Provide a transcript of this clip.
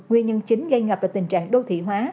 nguyên nhân chính gây ngập về tình trạng đô thị hóa